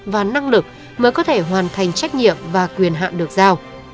và năng lực mới có thể hoàn thành trách nhiệm và quyền hạn được giao